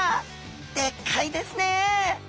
でっかいですねえ。